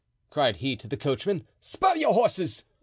cried he to the coachman. "Spur your horses!